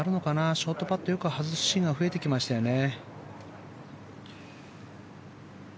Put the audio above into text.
ショートパットよく外すシーンが増えてきましたよね。